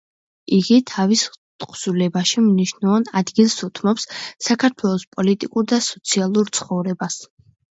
იგი თავის თხზულებაში მნიშვნელოვან ადგილს უთმობს საქართველოს პოლიტიკურ და სოციალურ ცხოვრებას.